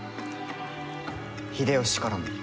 秀吉からも。